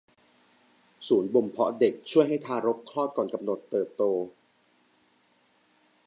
ศูนย์บ่มเพาะเด็กช่วยให้ทารกคลอดก่อนกำหนดเติบโต